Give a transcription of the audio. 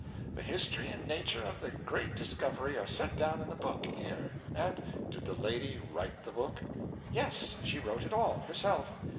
The history and nature of the great discovery are set down in the book here, and ' 'Did the lady write the book?' 'Yes, she wrote it all, herself.